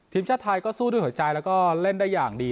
ทีมชาติไทยก็สู้ด้วยหัวใจแล้วก็เล่นได้อย่างดี